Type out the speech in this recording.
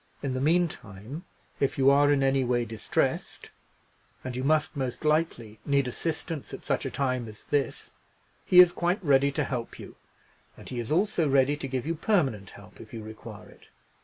In the meantime, if you are in any way distressed—and you must most likely need assistance at such a time as this—he is quite ready to help you: and he is also ready to give you permanent help if you require it."